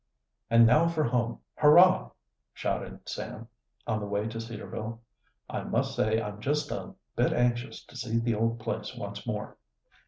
"And now for home. Hurrah!" shouted Sam, on the way to Cedarville. "I must say I'm just a bit anxious to see the old place once more."